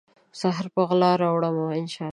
سحر په غلا راوړمه ، ان شا الله